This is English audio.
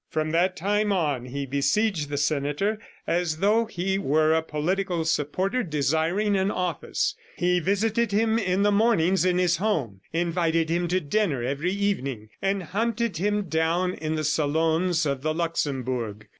From that time on, he besieged the senator as though he were a political supporter desiring an office. He visited him in the mornings in his home, invited him to dinner every evening, and hunted him down in the salons of the Luxembourg.